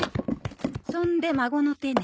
そんで孫の手ね。